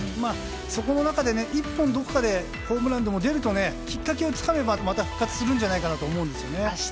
そこの中で１本どこかでホームランでも出るときっかけをつかめばまた復活すると思います。